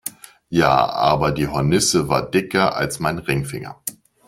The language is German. Ja, aber die Hornisse war dicker als mein Ringfinger!